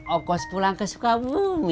okos pulang ke sukabumi